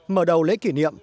mở đầu lễ kỷ niệm